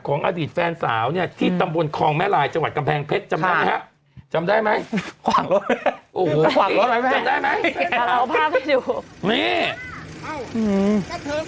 ของอดีตแฟนสาวเนี่ยที่ตำบลคองแม่ลายจังหวัดกำแพงเพชรจำได้ไหมครับ